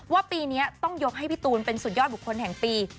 ปีนี้ต้องยกให้พี่ตูนเป็นสุดยอดบุคคลแห่งปี